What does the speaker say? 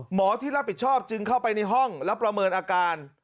หมอที่รับผิดชอบจึงเข้าไปในห้องแล้วประเมินอาการ